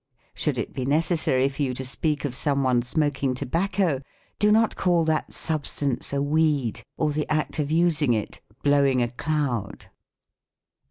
Should it be necessary for you to speak of some one smoking tobacco, do not call that substance a weed, or the act of using it " blowing a cloud."